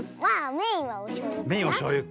メインはおしょうゆか。